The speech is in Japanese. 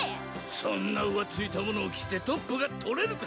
そんな浮ついたものを着てトップが取れるか！